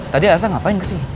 tadi asal ngapain ke sini